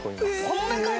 この中に？